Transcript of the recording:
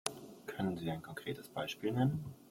Können Sie ein konkretes Beispiel nennen?